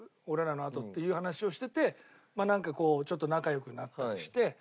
俺らのあと」っていう話をしててまあなんかこうちょっと仲良くなったりして。